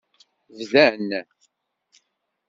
Bdan.